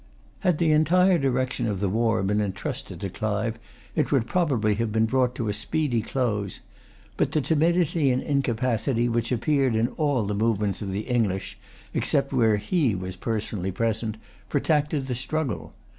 Had the entire direction of the war been intrusted to Clive, it would probably have been brought to a speedy close. But the timidity and incapacity which appeared in all the movements of the English, except where he was personally present, protracted the struggle.